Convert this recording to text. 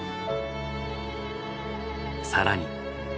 更に。